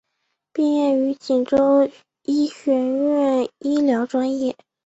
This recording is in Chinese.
毕业于锦州医学院医疗专业。